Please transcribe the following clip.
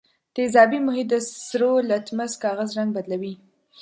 تیزابي محیط د سرو لتمس کاغذ رنګ بدلوي.